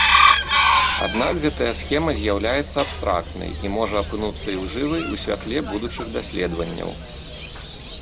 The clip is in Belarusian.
Аднак гэтая схема з'яўляецца абстрактнай і можа апынуцца ілжывай ў святле будучых даследаванняў.